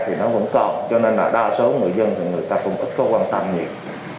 thì nó vẫn còn cho nên là đa số người dân thì người ta cũng ít có quan tâm nhiều